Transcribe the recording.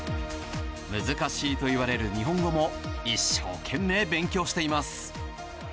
難しいといわれる日本語も一生懸命、勉強しています。